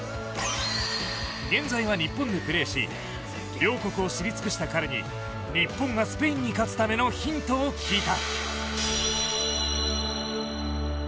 現在は日本でプレーし両国を知り尽くした彼に日本がスペインに勝つためのヒントを聞いた。